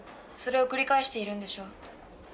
それを繰り返しているんでしょ？